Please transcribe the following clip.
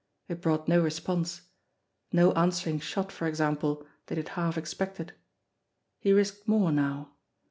It brought no response ; no answering shot, for ex ample, that he had half expected. He risked more now.